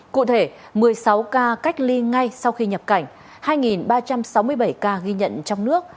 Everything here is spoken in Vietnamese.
cụ thể một mươi sáu ca cách ly ngay sau khi nhập cảnh hai ba trăm sáu mươi bảy ca ghi nhận trong nước